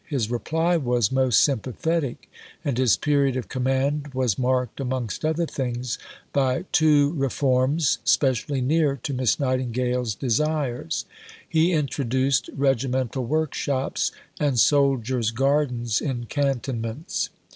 His reply was most sympathetic, and his period of command was marked, amongst other things, by two reforms specially near to Miss Nightingale's desires: he introduced regimental workshops and soldiers' gardens in cantonments.